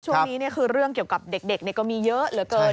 ช่วงนี้คือเรื่องเกี่ยวกับเด็กก็มีเยอะเหลือเกิน